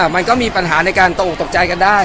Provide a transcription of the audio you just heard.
มันก็มีปัญหาในการตกออกตกใจกันได้